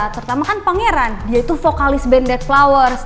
pertama kan pangeran dia itu vokalis band dead flowers